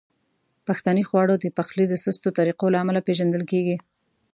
پښتني خواړه د پخلي د سستو طریقو له امله پیژندل کیږي.